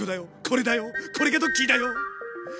これだよこれがドッキーだよ！